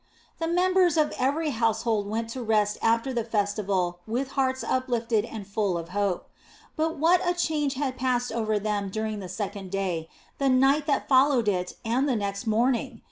The members of every household went to rest after the festival with hearts uplifted and full of hope. But what a change had passed over them during the second day, the night that followed it, and the next morning!